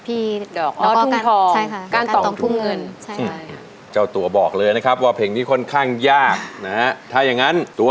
อีสันเยอะคะค่ะชื่อเพลงว่าไรคะน้องมีผัวแล้วค่ะโอ